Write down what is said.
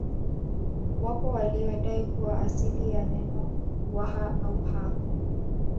Wapo waliodai kuwa asili ya neno Waha au Ha